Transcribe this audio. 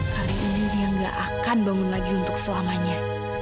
kali ini dia tidak akan bangun lagi untuk selamanya